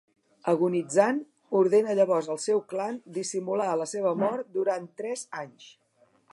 Agonitzant, ordena llavors al seu clan dissimular la seva mort pròxima durant tres anys.